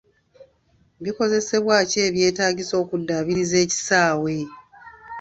Bikozesebwa ki ebyetaagisa okuddaabiriza ekisaawe?